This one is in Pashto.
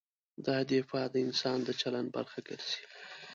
دا دفاع د انسان د چلند برخه ګرځي.